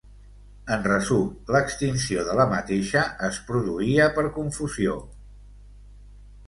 En resum, l'extinció de la mateixa es produïa per confusió.